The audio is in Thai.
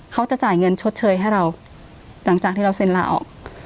เขาจะจ่ายเงินชดเชยให้เราหลังจากที่เราเซ็นลาออก